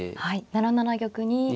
はい７七玉に。